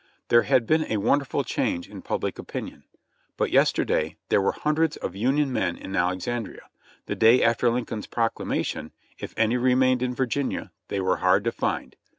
There had been a wonderful change in public opinion; but yesterday, there were hundreds of Union men in Alexandria ; the day after Lincoln's proclamation, if any remained in Virginia they were hard to find.